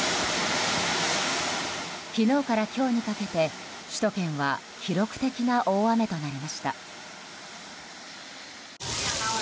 昨日から今日にかけて首都圏は記録的な大雨となりました。